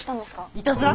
いたずら？